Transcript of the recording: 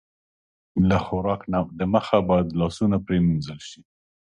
له خوراک نه د مخه باید لاسونه پرېمنځل شي.